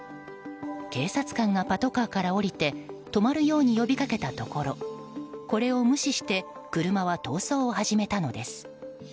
警察官がパトカーから降りて止まるように呼びかけたところこれを無視して車は逃走を始めたのです。